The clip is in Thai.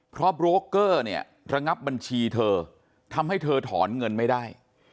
เพราะโบรกเกอร์เนี่ยระงับบัญชีเธอทำให้เธอถอนเงินไม่ได้